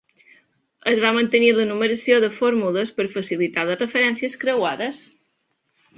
Es va mantenir la numeració de fórmules per facilitar les referències creuades.